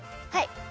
はい。